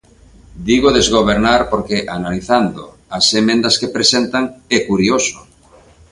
Digo desgobernar porque, analizando as emendas que presentan, é curioso.